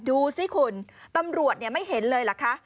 ดูซิคุณตำรวจเนี่ยไม่เห็นเลยล่ะคะ